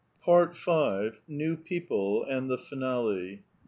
PART FIFTH. NEW PEOPLE, AND THE FINALE.